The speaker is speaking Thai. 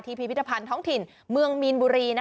คุกขี้ไก่ตั้งอยู่ในพิธภัณฑ์ท้องถิ่นเมืองมีนบุรีนะ